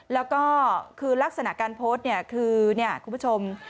แล้วก็คือลักษณะการโพสต์คือคุณผู้ชม